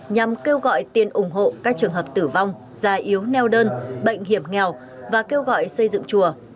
nhằm kêu gọi tiền ủng hộ các trường hợp tử vong già yếu neo đơn bệnh hiểm nghèo và kêu gọi xây dựng chùa